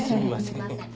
すいません。